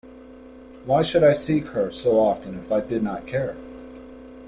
Why should I seek her so often if I did not care?